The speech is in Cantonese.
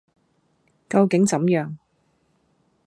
究竟怎樣；